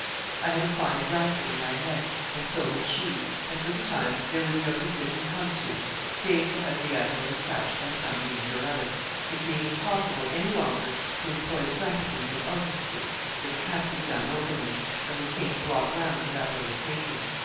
I had a fine racket in my head, and so had she, and for the time there was no decision come to save to have the admiral despatched by some means or other. It being impossible any longer to employ stratagems and artifices, it would have to be done openly, and the king brought round to that way of thinking.